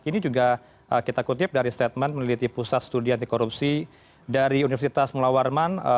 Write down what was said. ini juga kita kutip dari statement peneliti pusat studi anti korupsi dari universitas mula warman